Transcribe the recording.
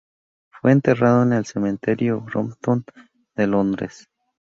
Fue enterrado en el Cementerio Brompton de Londres.